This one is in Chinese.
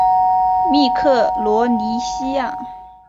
密克罗尼西亚。